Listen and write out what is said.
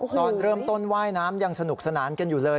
ตอนเริ่มต้นว่ายน้ำยังสนุกสนานกันอยู่เลย